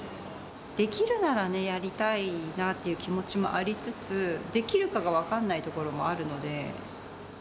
できるならね、やりたいなっていう気持ちもありつつ、できるかが分かんないところもあるので。